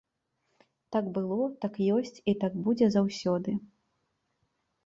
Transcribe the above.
Так было, так ёсць і так будзе заўсёды!